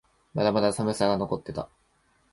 まだまだ寒さが残っていた。